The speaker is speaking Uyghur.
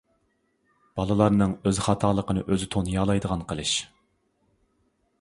بالىلارنىڭ ئۆز خاتالىقىنى ئۆزى تونۇيالايدىغان قىلىش.